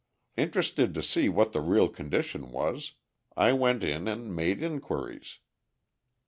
Interested to see what the real condition was, I went in and made inquiries.